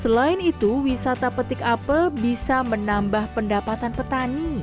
selain itu wisata petik apel bisa menambah pendapatan petani